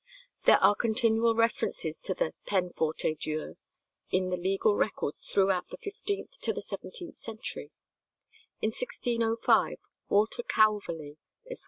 There are continual references to the peine forte et dure in the legal records throughout the fifteenth to the seventeenth centuries. In 1605 Walter Calverly, Esq.